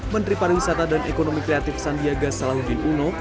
menteri pariwisata dan ekonomi kreatif sandiaga salahuddin uno